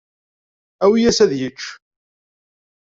Awi-yas ad yečč.